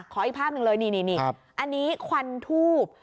อีกภาพหนึ่งเลยนี่อันนี้ควันทูบ